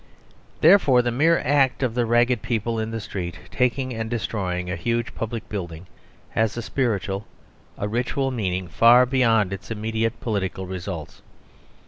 Therefore the mere act of the ragged people in the street taking and destroying a huge public building has a spiritual, a ritual meaning far beyond its immediate political results.